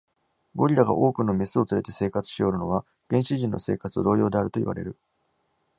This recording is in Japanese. ゴリラが多くの牝を連れて生活しおるのは、原始人の生活と同様であるといわれる。